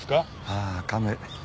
ああカメ。